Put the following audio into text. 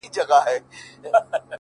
ځوان د سگريټو تسه کړې قطۍ وغورځول،